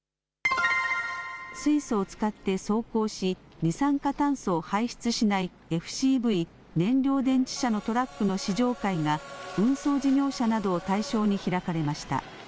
水素を使って走行し、二酸化炭素を排出しないＦＣＶ・燃料電池車のトラックの試乗会が、運送事業者などを対象に開かれました。